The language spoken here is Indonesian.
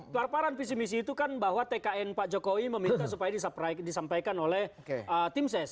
kelaparan visi misi itu kan bahwa tkn pak jokowi meminta supaya disampaikan oleh tim ses